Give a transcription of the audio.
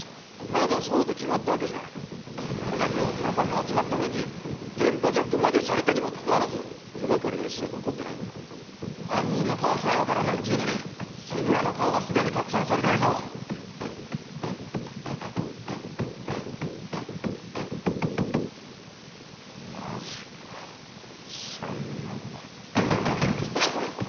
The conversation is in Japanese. まだそうと決まったわけじゃないあれだけ大きな爆発があった上に電波ジャックまでされたにもかかわらず手がかりが一切残ってないんだ犯人の顔さえ分からないっていうのに志村の顔はすでに拡散されてるぞマジか最悪だ失礼します